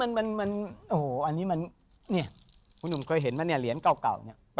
มันโอ้โหอันนี้มันเนี่ยคุณหนุ่มเคยเห็นไหมเนี่ยเหรียญเก่าเนี่ย